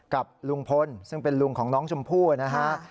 กับลุงพลซึ่งเป็นลุงของน้องชมพู่นะฮะ